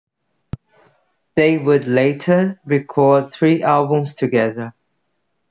They would later record three albums together.